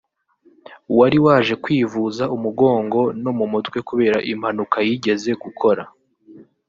wari waje kwivuza umugongo no mu mutwe kubera impanuka yigeze gukora